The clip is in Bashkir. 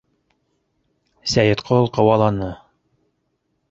Сәйетҡол ҡыуаланы.